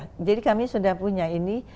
nah jadi kami sudah punya ini